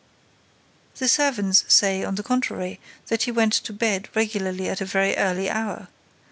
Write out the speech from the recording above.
"The servants say, on the contrary, that he went to bed regularly at a very early hour.